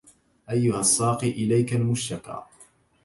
أيها الساقي إليك المشتكى